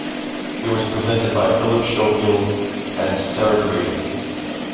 It was presented by Phillip Schofield and Sarah Greene.